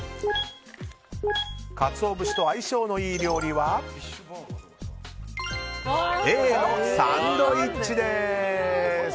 カツオ節と相性のいい料理はＡのサンドイッチです！